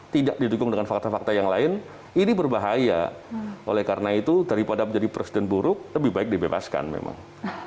tidak didukung dengan fakta fakta yang lain ini berbahaya oleh karena itu daripada menjadi presiden buruk lebih baik dibebaskan memang